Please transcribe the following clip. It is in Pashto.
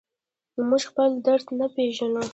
موږ خپل درد نه پېژنو.